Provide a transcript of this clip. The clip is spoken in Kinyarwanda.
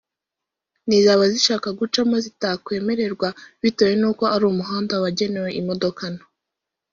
nizaba zishaka gucamo zitakwemererwa bitewe n’uko ari umuhanda wagenewe imodoka nto